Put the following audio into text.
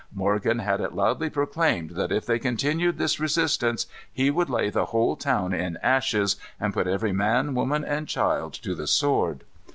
Morgan had it loudly proclaimed that if they continued this resistance he would lay the whole town in ashes, and put every man, woman, and child to the sword.